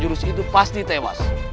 jurus itu pasti tewas